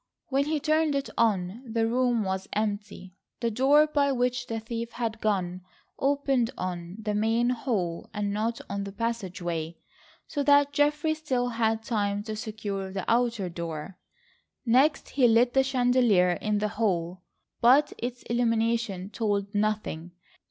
When he turned it on the room was empty. The door by which the thief had gone opened on the main hall and not on the passageway, so that Geoffrey still had time to secure the outer door. Next he lit the chandelier in the hall, but its illumination told nothing.